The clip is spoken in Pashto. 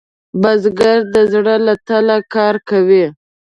بزګر د زړۀ له تله کار کوي